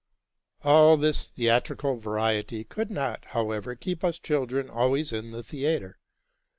All this theatrical variety could not, however, keep us chil dren always in the theatre.